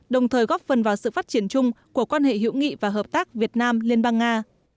đồng thời góp phần vào sự phát triển chung của quan hệ hữu nghị và hợp tác việt nam liên bang nga